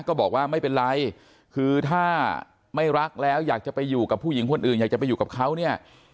ก็บอกว่าไม่เป็นไรคือถ้าไม่รักแล้วอยากจะไปอยู่กับผู้หญิงคนอื่นอยากจะไปอยู่กับเขาเนี่ย